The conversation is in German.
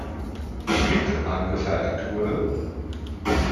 Schmidt angefertigt wurde.